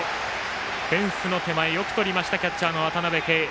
フェンスの手前、よくとりましたキャッチャーの渡辺憩。